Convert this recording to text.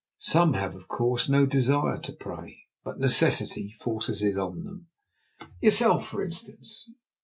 Some have, of course, no desire to prey; but necessity forces it on them. Yourself, for instance.